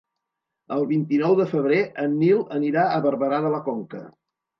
El vint-i-nou de febrer en Nil anirà a Barberà de la Conca.